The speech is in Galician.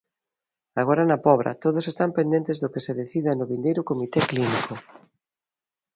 Agora na Pobra todos están pendentes do que se decida no vindeiro comité clínico.